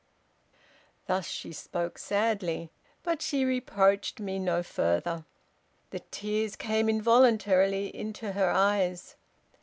Thus she spoke sadly. But she reproached me no further. The tears came involuntarily into her eyes.